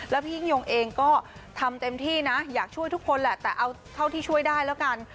แล้วพี่ยิ่งยงเองก็ทำเต็มที่นะอยากช่วยทุกคนแหละแต่เอาเท่าที่ช่วยได้แล้วกัน